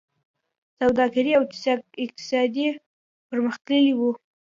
سوداګري او اقتصاد پرمختللی و